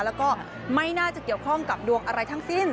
แล้วก็ไม่น่าจะเกี่ยวข้องกับดวงอะไรทั้งสิ้น